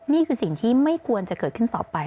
นี่คือสิ่งที่ไม่ควรจะเกิดขึ้นต่อไป